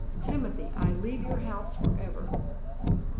Timothy, I leave your house forever."